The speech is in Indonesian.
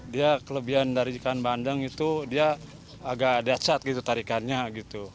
dia kelebihan dari ikan bandeng itu dia agak decat gitu tarikannya gitu